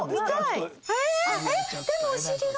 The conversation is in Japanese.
でもお尻が。